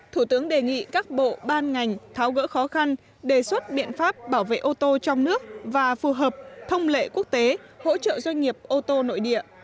thủ tướng đề nghị các bộ ban ngành tháo gỡ khó khăn đề xuất biện pháp bảo vệ ô tô trong nước và phù hợp thông lệ quốc tế hỗ trợ doanh nghiệp ô tô nội địa